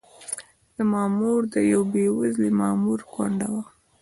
زما مور د یوه بې وزلي مامور کونډه وه.